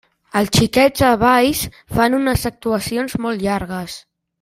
Els Xiquets de Valls fan unes actuacions molt llargues.